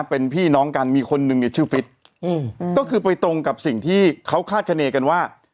เป็นพี่น้องกันมีคนนึงเนี่ยชื่อฟิตก็คือไปตรงกับสิ่งที่เขาคาดคณีกันว่า